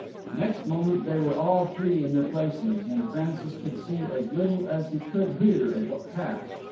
Next moment they were all three in their places, and Francis could see as little as he could hear of what passed.